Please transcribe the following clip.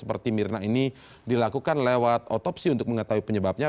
seperti mirna ini dilakukan lewat otopsi untuk mengetahui penyebabnya